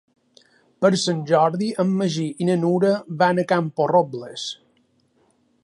Per Sant Jordi en Magí i na Nura van a Camporrobles.